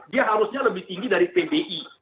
dia harusnya lebih tinggi dari pbi